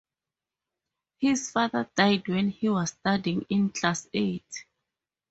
His father died when he was studying in class eight.